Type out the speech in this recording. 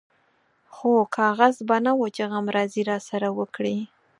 خو کاغذ به نه و چې غمرازي راسره وکړي.